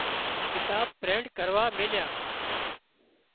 ڪتاب پرنٽ ڪروا هانَ ميلوا۔